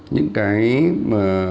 những cái mà